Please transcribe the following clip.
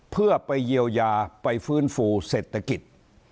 เพื่อไปเยียวยาไปฟื้นฟูเศรษฐกิจ